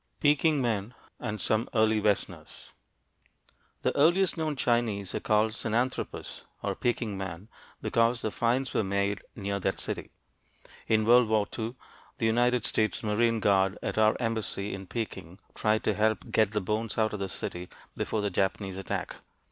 PEKING MEN AND SOME EARLY WESTERNERS The earliest known Chinese are called Sinanthropus, or "Peking man," because the finds were made near that city. In World War II, the United States Marine guard at our Embassy in Peking tried to help get the bones out of the city before the Japanese attack.